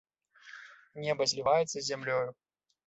Неба зліваецца з зямлёю.